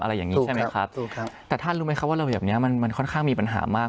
อะไรอย่างนี้ใช่ไหมครับถูกครับแต่ท่านรู้ไหมครับว่าระเบียบเนี้ยมันมันค่อนข้างมีปัญหามาก